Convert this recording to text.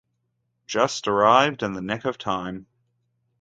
Just arrived in the nick of time.